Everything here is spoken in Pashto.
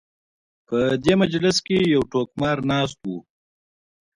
په دې مجلس کې یو ټوکه مار ناست و.